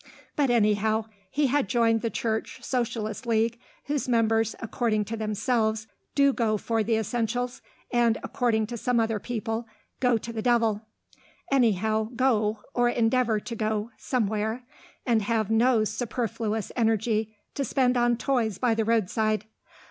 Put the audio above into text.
But anyhow, he had joined the Church Socialist League, whose members according to themselves, do go for the essentials, and, according to some other people, go to the devil; anyhow go, or endeavour to go, somewhere, and have no superfluous energy to spend on toys by the roadside.